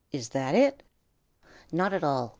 Is that it?" "Not at all!"